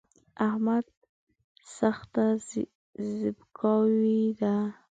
احمد سخته زڼکای ده